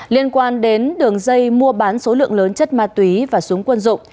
liên quan đến đường dây mua bán số lượng lớn chất ma túy và súng quân dụng